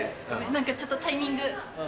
何かちょっとタイミング。